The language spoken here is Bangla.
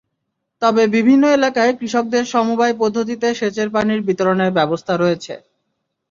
তবে বিভিন্ন এলাকায় কৃষকদের সমবায় পদ্ধতিতে সেচের পানির বিতরণের ব্যবস্থা রয়েছে।